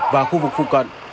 và khu vực phụ cận